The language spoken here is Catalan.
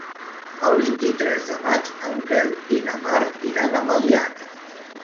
El vint-i-tres de maig en Quel i na Mar iran a Meliana.